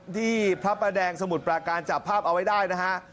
ที่พระประแดงสมุทรปราการจับภาพเอาไว้ได้นะฮะ